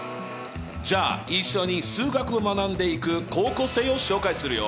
じゃあ一緒に数学を学んでいく高校生を紹介するよ。